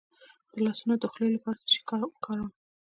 د لاسونو د خولې لپاره څه شی وکاروم؟